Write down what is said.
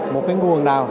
một cái nguồn nào